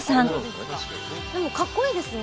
でもかっこいいですね。